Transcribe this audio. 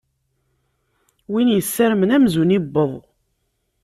Win isarmen amzun iwweḍ.